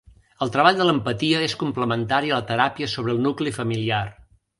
El treball de l'empatia és complementari a la teràpia sobre el nucli familiar.